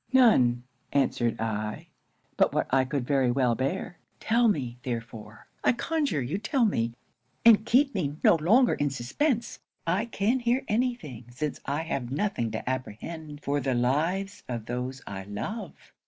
'"None," answered I, "but what I could very well bear. Tell me, therefore, I conjure you tell me, and keep me no longer in suspence I can hear any thing since I have nothing to apprehend for the lives of those I love."